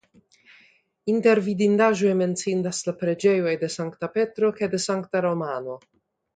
Inter vidindaĵoj menciindas la preĝejoj de Sankta Petro kaj de Sankta Romano.